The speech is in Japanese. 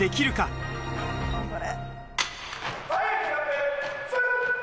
頑張れ！